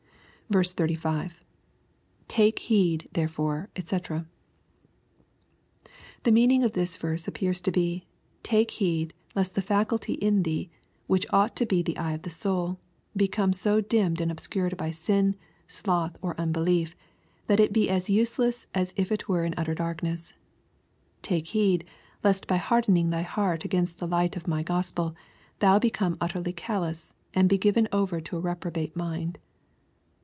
35. — [Take heedj therefor e^ <&c.] The meaning of this verse appears to be, " Take heed lest that faculty in thee, wnich ought to be tlie eye of the soul, become so dimmed and obscured by sin, sloth, or unbelief, that it be as useless as if it were in utter darkness. Take heed, lest by hardening thy heart against the light of my Gospel, thou become utterly callous, and be given over to a reprobate mind."